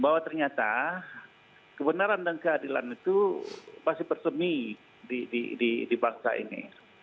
bahwa ternyata kebenaran dan keadilan itu masih bersemi di bangsa ini